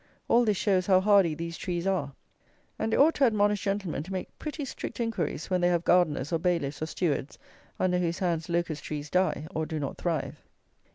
All this shows how hardy these trees are, and it ought to admonish gentlemen to make pretty strict enquiries, when they have gardeners, or bailiffs, or stewards, under whose hands Locust trees die, or do not thrive.